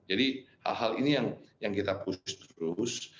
jadi hal hal ini yang kita kusus terus